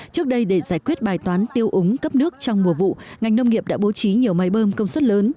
trước đây để giải quyết bài toán tiêu úng cấp nước trong mùa vụ ngành nông nghiệp đã bố trí nhiều máy bơm công suất lớn